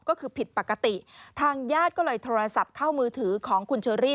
ก็คือผิดปกติทางญาติก็เลยโทรศัพท์เข้ามือถือของคุณเชอรี่